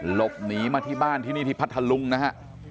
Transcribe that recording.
หลบหนีมาที่บ้านที่นี่ที่พัทธลุงนะฮะ